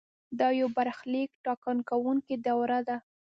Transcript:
دا یو برخلیک ټاکونکې دوره وه.